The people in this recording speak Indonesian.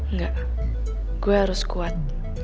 nggak gue harus kuat